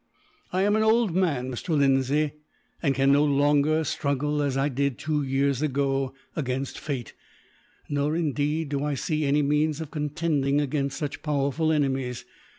"I am an old man, Mr. Lindsay, and can no longer struggle as I did, two years ago, against fate; nor indeed do I see any means of contending against such powerful enemies.